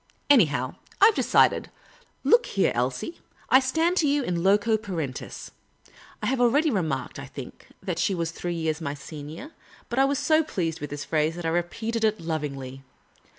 Anyhow, I 've decided. Look here, Elsie : I stand to you in loco parentis. '" I have already remarked, I think, that she was three years my senior ; but I was so pleased with this phrase that I repeated it lovingly.